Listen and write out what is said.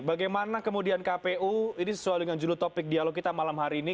bagaimana kemudian kpu ini sesuai dengan judul topik dialog kita malam hari ini